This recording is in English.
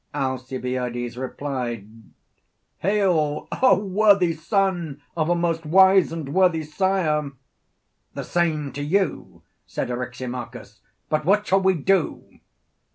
Alcibiades replied: Hail, worthy son of a most wise and worthy sire! The same to you, said Eryximachus; but what shall we do?